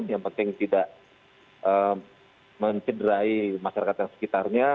yang penting tidak mencederai masyarakat yang sekitarnya